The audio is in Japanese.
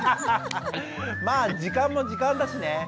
まあ時間も時間だしね。